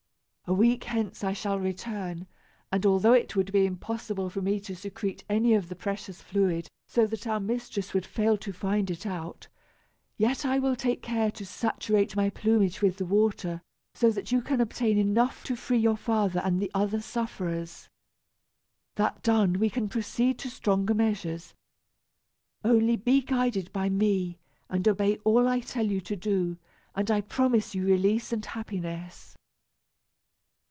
"A week hence I shall return, and although it would be impossible for me to secrete any of the precious fluid so that our mistress would fail to find it out, yet I will take care to saturate my plumage with the water, so that you can obtain enough to free your father and the other sufferers. That done, we can proceed to stronger measures. Only be guided by me, and obey all I tell you to do, and I promise you release and happiness."